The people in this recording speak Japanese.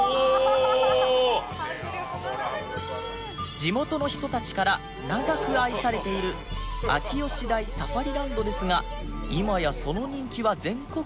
地元の人たちから長く愛されている秋吉台サファリランドですが今やその人気は全国区に